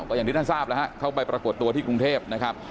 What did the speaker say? ก็อย่างที่ท่านทราบแล้วฮะเข้าไปปรากฏตัวที่กรุงเทพนะครับ